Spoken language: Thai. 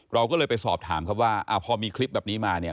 เราก็เลยไปสอบถามครับว่าพอมีคลิปแบบนี้มาเนี่ย